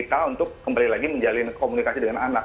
kita untuk kembali lagi menjalin komunikasi dengan anak